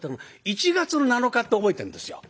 １月の７日って覚えてんですよ。